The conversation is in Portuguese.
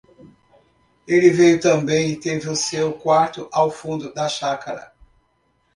ele veio também, e teve o seu quarto ao fundo da chácara.